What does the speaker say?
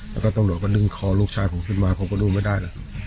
แล้วก็ตำรวจก็ดึงคอลูกชายผมขึ้นมาผมก็ดูไม่ได้แล้ว